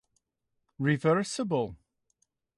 Reversible!